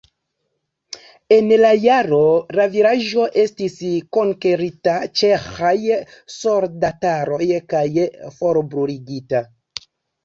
En la jaro la vilaĝo estis konkerita ĉeĥaj soldataroj kaj forbruligita.